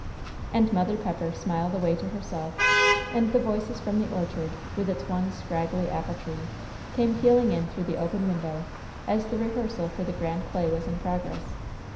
And Mother Pepper smiled away to herself, and the voices from the orchard, with its one scraggy apple tree, came pealing in through the open window, as the rehearsal for the grand play was in progress.